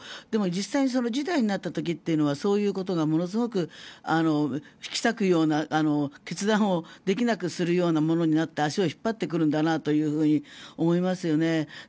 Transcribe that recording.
でも実際にその事態になった時はそういうことをものすごく引き裂くような決断をできなくするようなものになって足を引っ張ってくるんだなと思いますね。